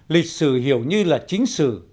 lịch sử hiểu như là chính sự